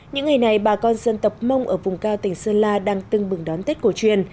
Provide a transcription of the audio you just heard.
những ngày này bà con dân tộc mông ở vùng cao tỉnh sơn la đang tưng bừng đón tết cổ truyền